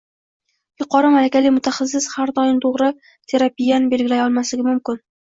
Yuqori malakali mutaxassis ham doim to‘g‘ri terapiyani belgilay olmasligi mumkin.